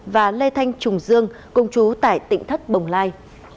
và lê thanh trùng dương công chú tại tỉnh thất bồng lai